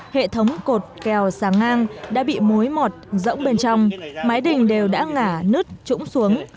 hệ thống cột kèo sáng ngang đã bị mối mọt rỗng bên trong mái đình đều đã ngả nứt trũng xuống